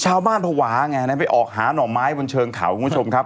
ภาวะไงนะไปออกหาหน่อไม้บนเชิงเขาคุณผู้ชมครับ